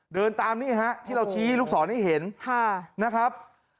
เดินตามนี่ฮะที่เราชี้ลูกศรให้เห็นนะครับ